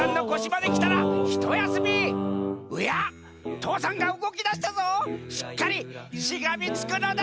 父山がうごきだしたぞしっかりしがみつくのだ！